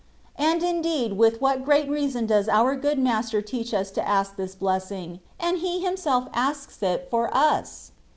And indeed, with what great reason does our Good Master teach us to ask this blessing, and He Himself asks it for us!